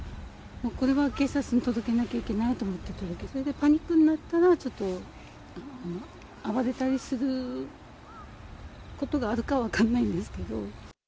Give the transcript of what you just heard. これは警察に届けなきゃいけないと思って、それでパニックになったら、ちょっと暴れたりすることがあるか分かんないんですけど。